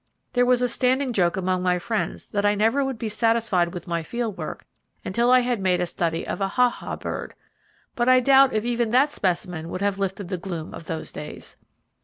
There was a standing joke among my friends that I never would be satisfied with my field work until I had made a study of a 'Ha ha bird,' but I doubt if even that specimen would have lifted the gloom of those days.